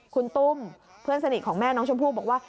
คุณตุ้มเพื่อนสนิทของแม่น้องชมพู่บอกว่า